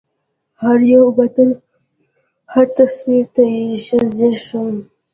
هر یو متن هر تصویر ته یې ښه ځېر شوم